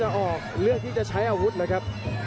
พยายามจะไถ่หน้านี่ครับการต้องเตือนเลยครับ